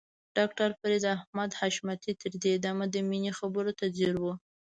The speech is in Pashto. ډاکټر فريد احمد حشمتي تر دې دمه د مينې خبرو ته ځير و.